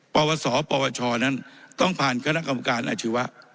ประวัติศาสตร์ประวัติชอนั้นต้องผ่านคณะกรรมการอาชีวะ